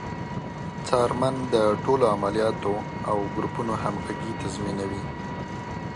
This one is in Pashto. څارمن د ټولو عملیاتو او ګروپونو همغږي تضمینوي.